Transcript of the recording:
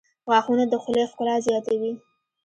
• غاښونه د خولې ښکلا زیاتوي.